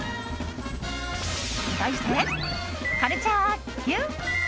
題して、カルチャーＱ。